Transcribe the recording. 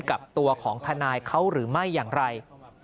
กับตัวของทนายเขาหรือไม่อย่างไร